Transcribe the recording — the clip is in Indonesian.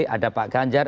ada pak ganjar